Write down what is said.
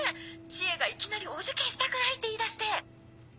知恵がいきなりお受験したくないって言い出して。